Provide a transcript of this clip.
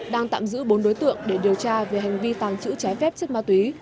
đang tạm giữ bốn đối tượng để điều tra về hành vi phản chữ trái phép chất ma túy